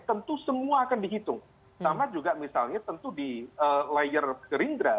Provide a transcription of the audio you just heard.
tentu semua akan dihitung sama juga misalnya tentu di layer gerindra